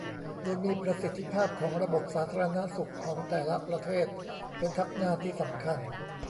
โดยมีประสิทธิภาพของระบบสาธารณสุขของแต่ละประเทศเป็นทัพหน้าที่สำคัญ